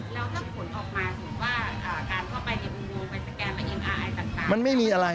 แล้วถ้าผลออกมาสมมุติว่าการเข้าไป